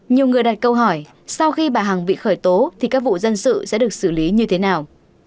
nhiều người đặt câu hỏi sau khi bà hằng bị khởi tố thì các vụ dân sự sẽ được xử lý như thế nào